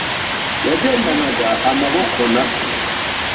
Yagendanaga amaboko na se.